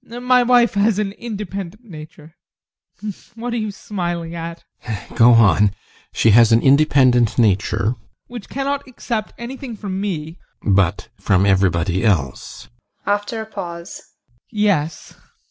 My wife has an independent nature what are you smiling at? GUSTAV. Go on! She has an independent nature ADOLPH. Which cannot accept anything from me GUSTAV. But from everybody else. ADOLPH. [After a pause] Yes.